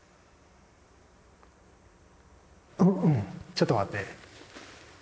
ちょっと待って。